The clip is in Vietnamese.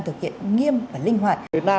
thực hiện nghiêm và linh hoạt